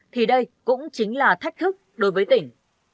thì đây cũng chính là thách thức đối với tỉnh